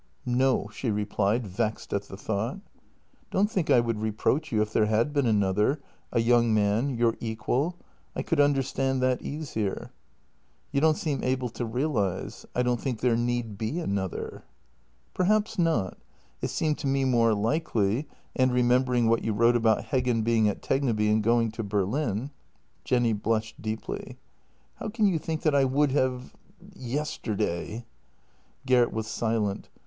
"" No," she replied, vexed at the thought. " Don't think I would reproach you if there had been another — a young man — your equal; I could understand that easier." "You don't seem able to realize — I don't 'think there need be another." " Perhaps not. It seemed to me more likely, and, remember ing what you wrote about Heggen being at Tegneby and going to Berlin. ..." Jenny blushed deeply: JENNY 231 "How can you think that I would have — yesterday? " Gert was silent.